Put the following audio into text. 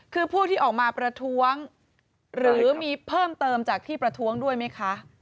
คือผู้ที่ออกมาประท้วงหรือมีเพิ่มเติมจากที่ประท้วงด้วยไหมคะ